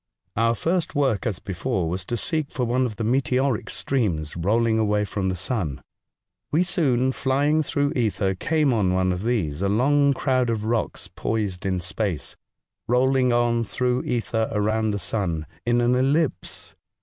Our first work, as before, was to seek for one of the meteoric streams rolling away from the sun. We soon, flying through ether, came on one of these — a long crowd of rocks, poised in space, rolling on through ether around the sun in an ellipse.